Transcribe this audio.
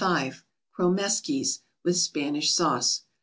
=Kromeskys, with Spanish Sauce.